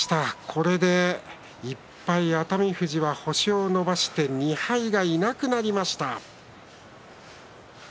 これで１敗熱海富士は星を伸ばして２敗がいなくなりました。